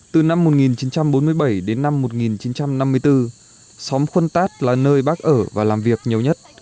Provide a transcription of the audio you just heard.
từ năm một nghìn chín trăm bốn mươi bảy đến năm một nghìn chín trăm năm mươi bốn xóm khuân tát là nơi bác ở và làm việc nhiều nhất